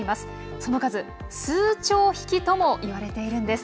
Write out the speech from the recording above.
その数、数兆匹ともいわれているんです。